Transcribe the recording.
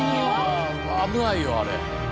危ないよあれ。